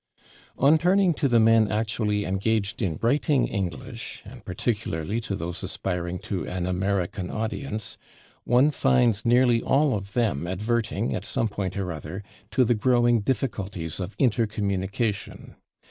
On turning to the men actually engaged in writing English, and particularly to those aspiring to an American audience, one finds nearly all of them adverting, at some time or other, to the growing difficulties of intercommunication.